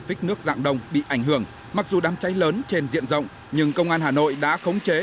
phích nước dạng đông bị ảnh hưởng mặc dù đám cháy lớn trên diện rộng nhưng công an hà nội đã khống chế